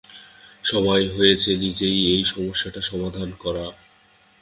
সময় হয়েছে নিজেই এই সমস্যাটা সমাধান করা।